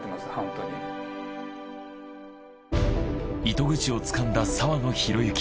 糸口をつかんだ澤野弘之。